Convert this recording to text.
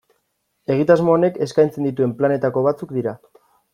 Egitasmo honek eskaintzen dituen planetako batzuk dira.